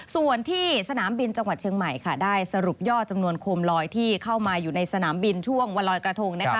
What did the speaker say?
ส่วนที่สนามบินจังหวัดเชียงใหม่ค่ะได้สรุปยอดจำนวนโคมลอยที่เข้ามาอยู่ในสนามบินช่วงวันลอยกระทงนะคะ